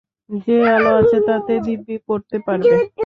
যে আলো আছে তাতে দিব্যি পড়তে পারবে।